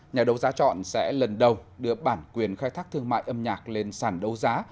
nhà đấu giá chọn sẽ lần đầu đưa bản quyền khai thác thương mại âm nhạc lên sàn đấu giá